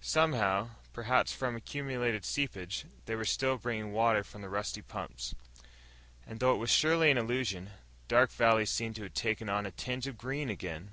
Somehow, perhaps from accumulated seepage, they were still bringing water from the rusty pumps. And though it was surely an illusion Dark Valley seemed to have taken on a tinge of green again.